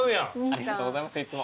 ありがとうございますいつも。